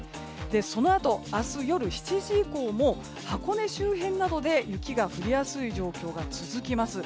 そのあと、明日夜７時以降も箱根周辺などで雪が降りやすい状況が続きます。